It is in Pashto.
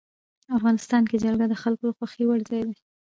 افغانستان کې جلګه د خلکو د خوښې وړ ځای دی.